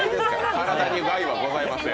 体に害はございません。